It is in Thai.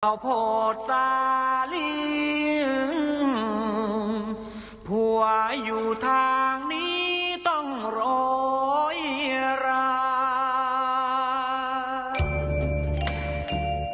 โพดสาลีผัวอยู่ทางนี้ต้องโรยรา